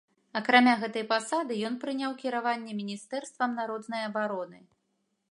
Акрамя гэтай пасады, ён прыняў кіраванне міністэрствам народнай абароны.